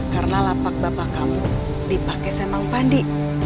karena lapak bapak kamu dipake sama pang pandi